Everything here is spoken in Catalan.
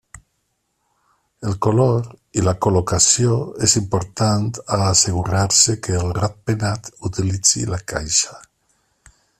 El color i la col·locació és important a assegurar-se que el ratpenat utilitzi la caixa.